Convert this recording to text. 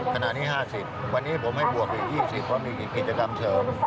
ขนาดนี้๕๐บาทวันนี้ผมให้บวกอีก๒๐บาทเพราะมีกิจกรรมเสริม